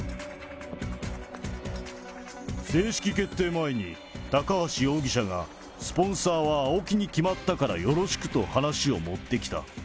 正式決定前に、高橋容疑者がスポンサーはＡＯＫＩに決まったからよろしくと、話を持ってきた。